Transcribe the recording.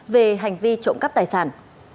về hành vi trộm cắp tài sản